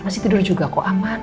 masih tidur juga kok aman